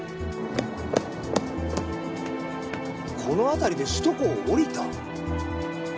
この辺りで首都高を降りた？